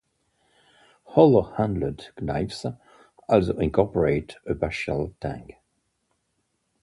Hollow-handled knives also incorporate a partial tang.